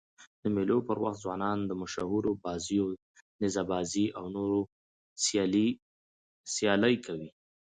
د مېلو پر وخت ځوانان د مشهورو بازيو: نیزه بازي او نورو سيالۍ کوي.